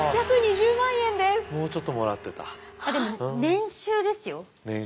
年収です。